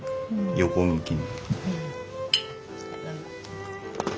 横向きの。